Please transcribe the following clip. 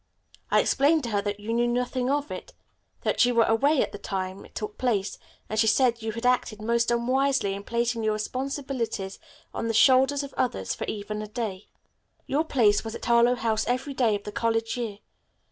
I explained to her that you knew nothing of it, that you were away at the time it took place, and she said you had acted most unwisely in placing your responsibilities on the shoulders of others even for a day. Your place was at Harlowe House every day of the college year.